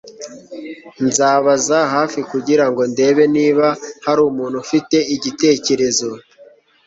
Nzabaza hafi kugirango ndebe niba hari umuntu ufite igitekerezo.